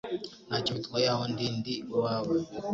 Ntacyo bitwaye aho ndi Ndi uwawe